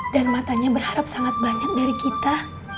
dan matanya berharap sangat banyak dari kita